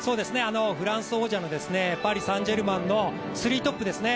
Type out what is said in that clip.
フランス王者のパリ・サン＝ジェルマンのスリートップですね。